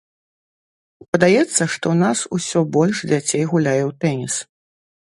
Падаецца, што ў нас усё больш дзяцей гуляе ў тэніс.